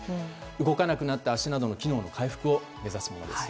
動かなくなった足などの機能の回復を目指すものです。